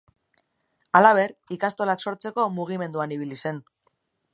Halaber, ikastolak sortzeko mugimenduan ibili zen.